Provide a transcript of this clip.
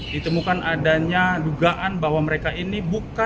ditemukan adanya dugaan bahwa mereka ini bukan